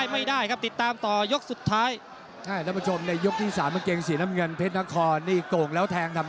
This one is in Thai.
โยก๕ครับสวัสดีหัวใจสิงห์ครับ